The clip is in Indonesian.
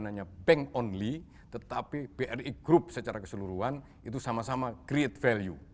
hanya bank only tetapi bri group secara keseluruhan itu sama sama create value